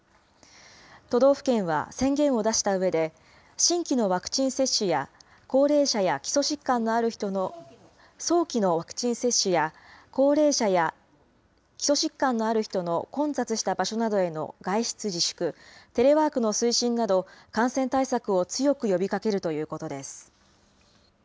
都道府県は宣言を出したうえで、新規のワクチン接種や、高齢者や基礎疾患のある人の、早期のワクチン接種や、高齢者や、基礎疾患のある人の混雑した場所などへの外出自粛、テレワークの推進など、感染対策を強く呼びかけるということです。